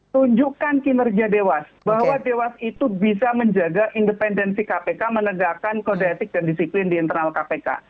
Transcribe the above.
tunjukkan kinerja dewas bahwa dewas itu bisa menjaga independensi kpk menegakkan kode etik dan disiplin di internal kpk